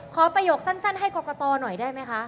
ประโยคสั้นให้กรกตหน่อยได้ไหมคะ